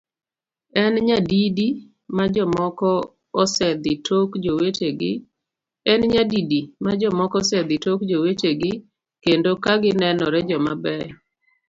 En nyadidi ma jomoko osedhi tok jowetegi kendo kagi nenore joma beyo?